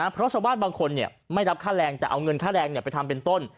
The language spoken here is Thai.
เพราะชาวบ้านบางคนไม่รับค่าแรงแต่เอาเงินค่าแรงไปทำเป็นต้น